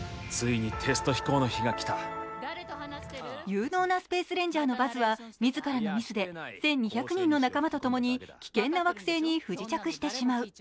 有能なスペースレンジャーのバズは自らのミスで１２００人の仲間とともに危険な惑星に不時着してしまう。